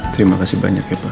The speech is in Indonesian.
terima kasih banyak ya pak